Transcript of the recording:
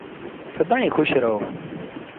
سدائيٚݩ کُش رهو۔